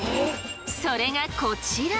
それがこちら！